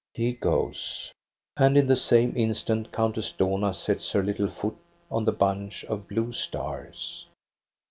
" He goes. And in the same instant Countess Dohna sets her little foot on the bunch of blue stars.